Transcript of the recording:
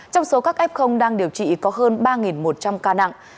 trong số các f đang điều trị có hơn ba một trăm linh ca nặng